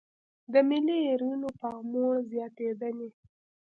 د ملي ايرونو پاموړ زياتېدنې.